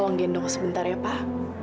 uang gendong sebentar ya pak